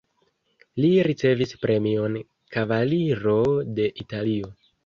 Li ricevis premion "Kavaliro de Italio".